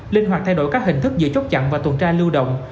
linh hoạt thay đổi các hình thức giữ chốt chặn và tuần tra lưu động